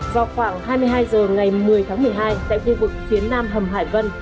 vào khoảng hai mươi hai h ngày một mươi tháng một mươi hai tại khu vực phía nam hầm hải vân